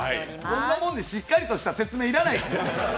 こんなもんでしっかりとした説明要らないですよ。